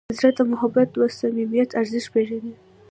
زړه د محبت او صمیمیت ارزښت پېژني.